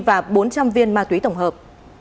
và bốn trăm linh viên ma túy tổng hợp